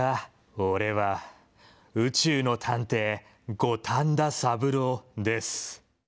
オレは宇宙の探偵、五反田三郎です。